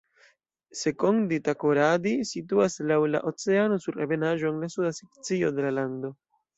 Sekondi-Takoradi situas laŭ la oceano sur ebenaĵo en la suda sekcio de la lando.